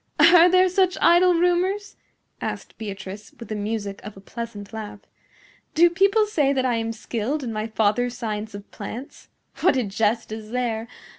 "Are there such idle rumors?" asked Beatrice, with the music of a pleasant laugh. "Do people say that I am skilled in my father's science of plants? What a jest is there!